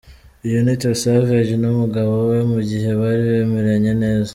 Uyu ni Tiwa Savage n’umugabo we mugihe bari bameranye neza.